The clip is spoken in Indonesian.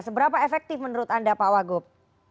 seberapa efektif menurut anda pak wagub